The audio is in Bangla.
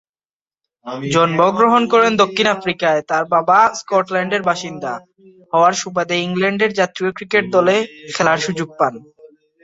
জন্মগ্রহণ করেন দক্ষিণ আফ্রিকায়, তার বাবা স্কটল্যান্ডের বাসিন্দা হওয়ার সুবাদে ইংল্যান্ডের জাতীয় ক্রিকেট দলে খেলার সুযোগ পান।